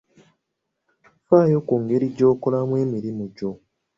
Ffaayo ku ngeri gy'okolamu emirimu gyo.